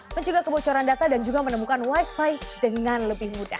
mencoba kebocoran data dan juga menemukan wi fi dengan lebih mudah